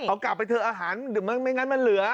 เอากลับไปเถอะอาหารไม่งั้นมันเหลือ